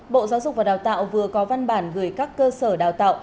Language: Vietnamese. bộ giáo dục và đào tạo vừa có văn bản gửi các cơ sở đào tạo